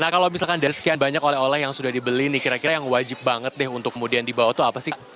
nah kalau misalkan dari sekian banyak oleh oleh yang sudah dibeli nih kira kira yang wajib banget deh untuk kemudian dibawa tuh apa sih